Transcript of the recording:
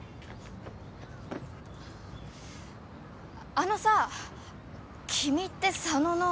あのさ君って佐野の。